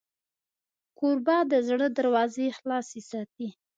کوربه د زړه دروازې خلاصې ساتي.